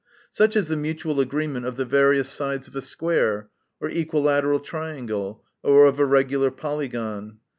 Such is the mutual agreement of the various sides of a square, or equilateral triangle or of a regular polygon.